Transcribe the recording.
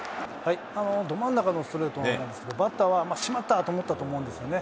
ど真ん中のストレートだったんですけど、バッターはしまったと思ったと思うんですよね。